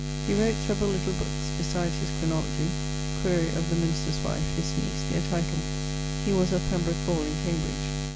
He wrote severall little bookes, besides his Chronologie: quaere of the minister's wife (his niece) their titles. He was of Pembroke hall, in Cambridge.